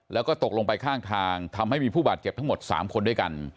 แล้วก็ตกลงไปข้างทางทำให้มีผู้บาดเจ็บทั้งหมด๓คนด้วยกัน